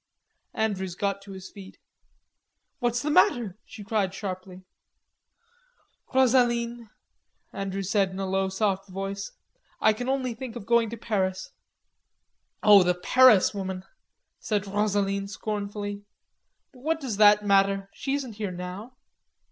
Andrews got to his feet. "What's the matter?" she cried sharply. "Rosaline," Andrews said in a low, soft voice, "I can only think of going to Paris." "Oh, the Paris woman," said Rosaline scornfully. "But what does that matter? She isn't here now."